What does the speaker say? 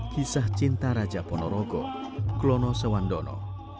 kisah cinta raja ponorogo klono sewandono